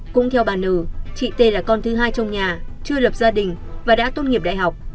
cũng theo bà nư chị t là con thứ hai trong nhà chưa lập gia đình và đã tốt nghiệp đại học